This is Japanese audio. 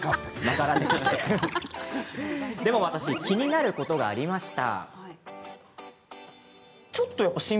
でも私気になることがありました。